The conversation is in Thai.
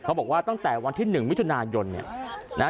เขาบอกว่าตั้งแต่วันที่หนึ่งวิฒุนาหย่อนเนี่ยนะฮะ